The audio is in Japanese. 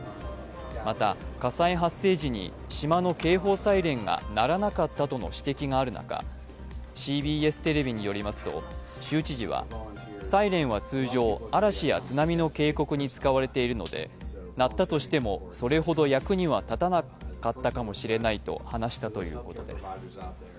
また火災発生時に島の警報サイレンが鳴らなかったとの指摘がある中、ＣＢＳテレビによりますと州知事はサイレンは通常、嵐や津波の警告に使われているので鳴ったとしてもそれほど役には立たなかったかもしれないと話したということです。